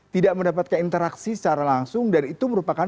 tidak mendapatkan interaksi secara langsung dan itu merupakan